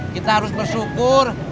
kita harus bersyukur